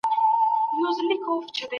که نظم نه وي خلګ څه کوي؟